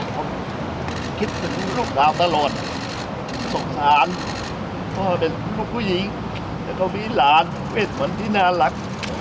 ผมคิดถึงลูกสาวตลอดสงสารพ่อเป็นลูกผู้หญิงแล้วก็มีหลานเวทคนที่น่ารัก